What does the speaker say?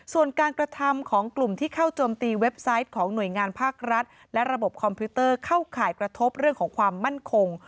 ส่วนการกระทำของกลุ่มที่เข้าโจมตีเว็บไซต์ของหน่วยงานภาครัฐและระบบคอมพิวเตอร์เข้าข่ายกระทบเรื่องของความมั่นคง